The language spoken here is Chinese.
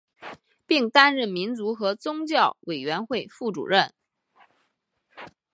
并担任民族和宗教委员会副主任。